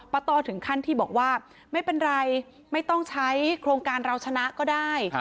ต้อถึงขั้นที่บอกว่าไม่เป็นไรไม่ต้องใช้โครงการเราชนะก็ได้